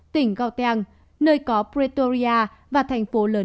tỉnh gauteng nơi có pretoria và thành phố lớn